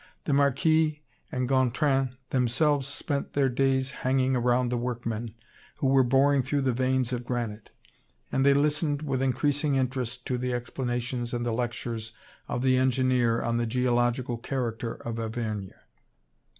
The Marquis and Gontran themselves spent their days hanging round the workmen, who were boring through the veins of granite; and they listened with increasing interest to the explanations and the lectures of the engineer on the geological character of Auvergne.